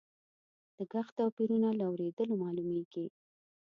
د غږ توپیرونه له اورېدلو معلومیږي.